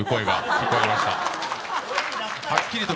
聞こえてました？